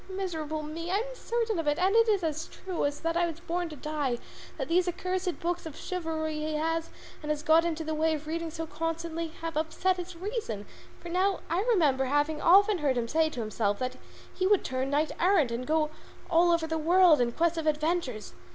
Miserable me! I am certain of it, and it is as true as that I was born to die, that these accursed books of chivalry he has, and has got into the way of reading so constantly, have upset his reason; for now I remember having often heard him saying to himself that he would turn knight errant and go all over the world in quest of adventures.